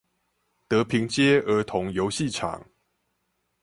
德平街兒童遊戲場